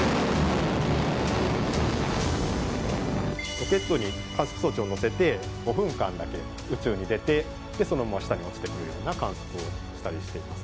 ロケットに観測装置を載せて５分間だけ宇宙に出てそのまま下に落ちてくるような観測をしたりしています。